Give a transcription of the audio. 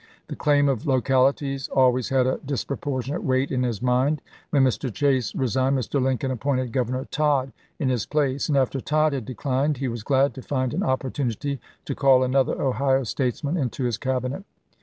The claim of localities always had a dispropor tionate weight in his mind. When Mr. Chase re signed Mr. Lincoln appointed Governor Tod in his place, and after Tod had declined he was glad to find an opportunity to call another Ohio statesman into his Cabinet.